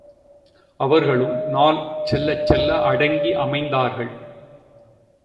அவர்களும் நாள் செல்லச்செல்ல அடங்கி அமைந்தார்கள்.